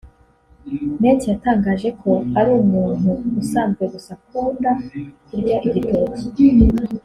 net yatangaje ko ari umuntu usanzwe gusa akunda kurya igitoki